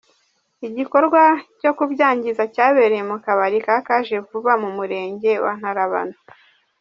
Igikorwa cyo kubyangiza cyabereye mu kagari ka Kajevuba, mu murenge wa Ntarabana.